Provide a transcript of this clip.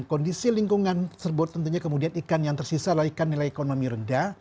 karena kemudian ikan yang tersisa adalah ikan nilai ekonomi rendah